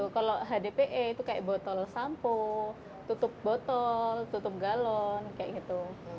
kalau hdpe itu kayak botol sampo tutup botol tutup galon kayak gitu